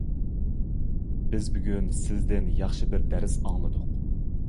بىز بۈگۈن سىزدىن ياخشى بىر دەرس ئاڭلىدۇق.